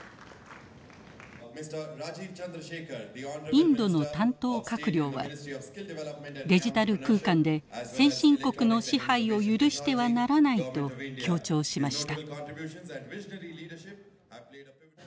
インドの担当閣僚はデジタル空間で先進国の支配を許してはならないと強調しました。